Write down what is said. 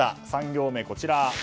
３行目、こちら。